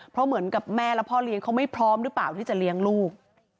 เพราะเหมือนกับแม่และพ่อเลี้ยงเขาไม่พร้อมหรือเปล่าที่จะเลี้ยงลูก